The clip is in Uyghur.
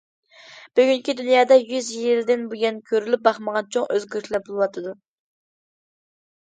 بۈگۈنكى دۇنيادا يۈز يىلدىن بۇيان كۆرۈلۈپ باقمىغان چوڭ ئۆزگىرىشلەر بولۇۋاتىدۇ.